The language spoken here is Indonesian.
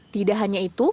tidak hanya itu